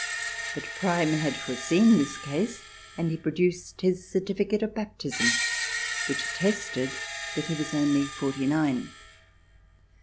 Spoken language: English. But Prime had foreseen this case, and he produced his certificate of baptism which attested that he was only forty nine.